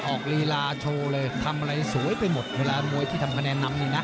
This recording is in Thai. ลีลาโชว์เลยทำอะไรสวยไปหมดเวลามวยที่ทำคะแนนนำนี่นะ